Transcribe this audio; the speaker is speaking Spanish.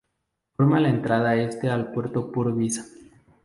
Forma la entrada este al puerto Purvis.